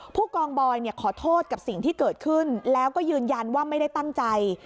ผู้กองบอยขอโทษกับสิ่งที่เกิดขึ้นแล้วก็ยืนยันว่าไม่ได้ตั้งใจ